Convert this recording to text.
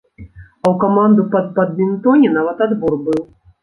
А ў каманду па бадмінтоне нават адбор быў!